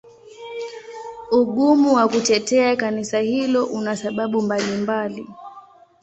Ugumu wa kutetea Kanisa hilo una sababu mbalimbali.